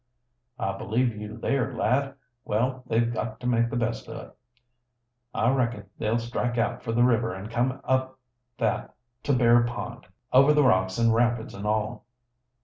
"I believe you there, lad. Well, they've got to make the best o' it. I reckon they'll strike out for the river and come up that to Bear Pond, over the rocks an' rapids an' all."